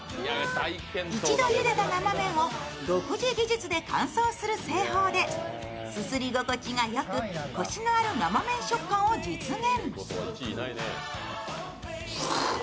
一度ゆでた生麺を独自技術で乾燥する製法で、すすり心地がよく、こしのある生麺食感を実現。